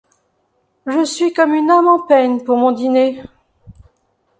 je suis comme une âme en peine pour mon dîner…